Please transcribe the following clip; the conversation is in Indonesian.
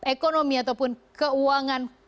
ekonomi ataupun keuangan